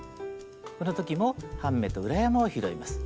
この時も半目と裏山を拾います。